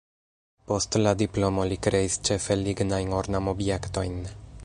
Post la diplomo li kreis ĉefe lignajn ornamobjektojn.